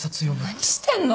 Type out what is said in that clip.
何してんの！？